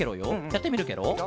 やってみるケロ。